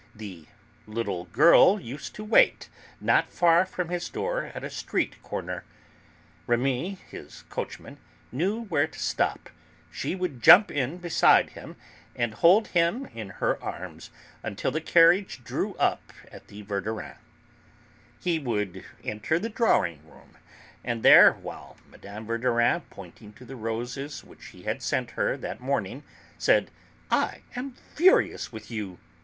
The little girl used to wait, not far from his door, at a street corner; Rémi, his coachman, knew where to stop; she would jump in beside him, and hold him in her arms until the carriage drew up at the Verdurins'. He would enter the drawing room; and there, while Mme. Verdurin, pointing to the roses which he had sent her that morning, said: "I am furious with you!"